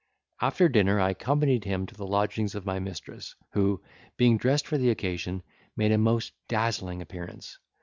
After dinner I accompanied him to the lodgings of my mistress, who, being dressed for the occasion, made a most dazzling appearance.